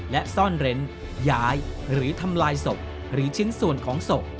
และซ่อนเร้นย้ายหรือทำลายศพหรือชิ้นส่วนของศพ